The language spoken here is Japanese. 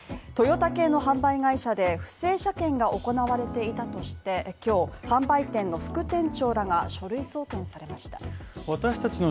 トヨタ系の販売会社で、不正車検が行われていたとして今日、販売店の副店長らが書類送検されました。